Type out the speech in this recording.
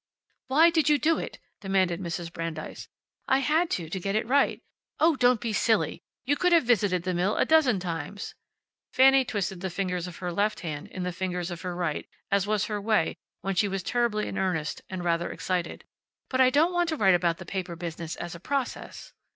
"Why did you do it?" demanded Mrs. Brandeis. "I had to, to get it right." "Oh, don't be silly. You could have visited the mill a dozen times." Fanny twisted the fingers of her left hand in the fingers of her right as was her way when she was terribly in earnest, and rather excited. "But I don't want to write about the paper business as a process."